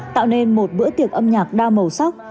tạo nên một bữa tiệc âm nhạc đa màu sắc